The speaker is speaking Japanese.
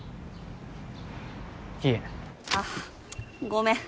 いえあっごめん